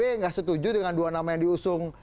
enggak setuju dengan dua nama yang diusung